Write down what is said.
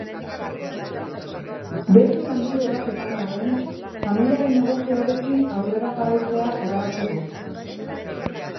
Beste lanbide bat izan arren, familiaren negozioarekin aurrera jarraitzea erabaki du.